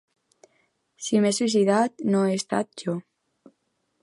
Si m’he suïcidat, no he estat jo.